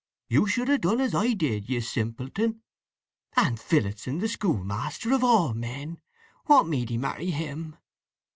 You should have done as I did, you simpleton! And Phillotson the schoolmaster, of all men! What made 'ee marry him?"